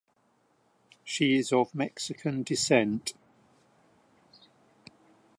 She is of Mexican descent.